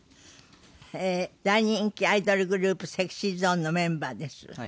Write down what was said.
大人気アイドルグループＳｅｘｙＺｏｎｅのメンバーです。